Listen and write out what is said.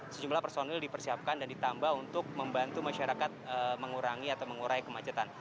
sejumlah personil dipersiapkan dan ditambah untuk membantu masyarakat mengurangi atau mengurai kemacetan